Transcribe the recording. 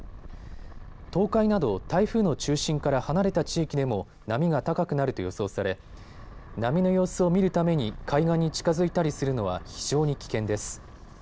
東海など台風の中心から離れた地域でも波が高くなると予想され波の様子を見るために海岸に近づいたりするのは非常に危険です。